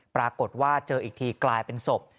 ปรากฏว่าเจออีกทีกลายเป็นศพ